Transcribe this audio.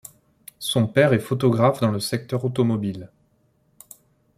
Son père est photographe dans le secteur automobile.